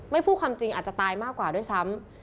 พูดความจริงอาจจะตายมากกว่าด้วยซ้ำ